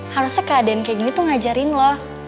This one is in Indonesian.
harusnya keadaan kayak gini tuh ngajarin loh